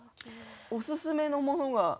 おすすめのものが。